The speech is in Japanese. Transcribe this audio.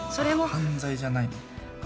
犯罪じゃない。